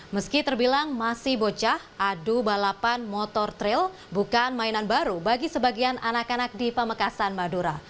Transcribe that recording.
meski terbilang masih bocah adu balapan motor trail bukan mainan baru bagi sebagian anak anak di pamekasan madura